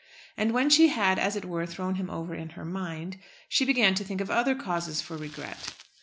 And when she had as it were thrown him over in her mind, she began to think of other causes for regret.